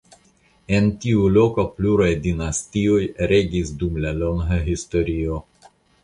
En tiu loko pluraj dinastioj regis dum la longa historio.